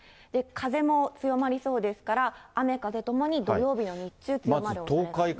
風も強まりそうですから、雨、風ともに土曜日の日中、強まるおそれがあります。